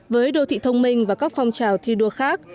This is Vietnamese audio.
với đô thị thông minh và các phong trào thi đua khác